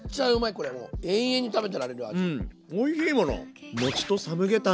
これもう永遠に食べてられる味。